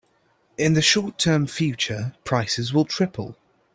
In the short term future, prices will triple.